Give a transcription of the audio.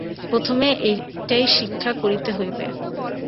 প্রথমে এইটিই শিক্ষা করিতে হইবে।